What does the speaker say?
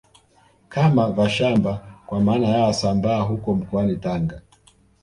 Kama Vashamba kwa maana ya Wasambaa huko mkoani Tanga